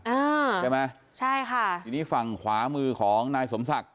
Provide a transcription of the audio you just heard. อ่าใช่ไหมใช่ค่ะทีนี้ฝั่งขวามือของนายสมศักดิ